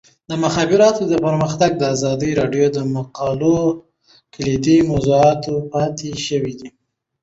د مخابراتو پرمختګ د ازادي راډیو د مقالو کلیدي موضوع پاتې شوی.